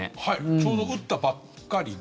ちょうど打ったばっかりで。